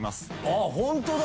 ああホントだ！